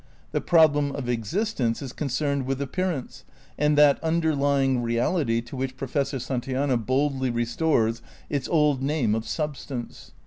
The problem of existence is concerned with appearance and that underlying reality to which Professor Santayana boldly restores its old name of "substance."